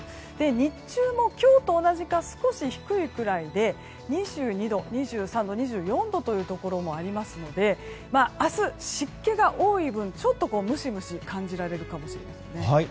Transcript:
日中も今日と同じか少し低いくらいで２２度、２３度２４度というところもありますので明日、湿気が多い分ちょっとムシムシと感じられるかもしれません。